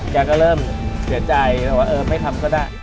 แกก็เริ่มเสียใจแต่ว่าเออไม่ทำก็ได้